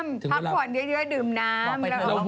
ไม่ได้ทำหลักผล่อนเยอะดื่มน้ำครับผม